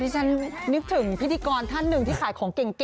ฉันนึกถึงพิธีกรท่านหนึ่งที่ขายของเก่ง